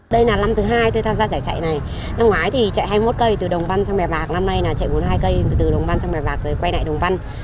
đây là năm thứ hai tôi tham gia giải chạy này năm ngoái thì chạy hai mươi một cây từ đồng văn sang mè vạc năm nay là chạy bốn mươi hai cây từ đồng văn sang mè vạc rồi quay lại đồng văn